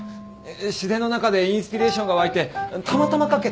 自然の中でインスピレーションが湧いてたまたま書けて。